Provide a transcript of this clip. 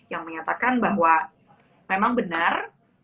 yang menyatakan bahwa memang benar